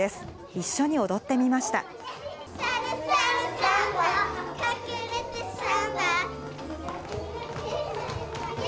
一緒に踊ってみました。